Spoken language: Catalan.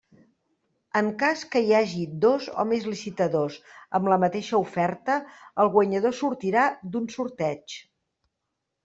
En cas que hi hagi dos o més licitadors amb la mateixa oferta, el guanyador sortirà d'un sorteig.